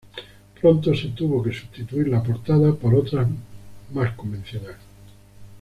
Pronto se tuvo que sustituir la portada por otra más convencional.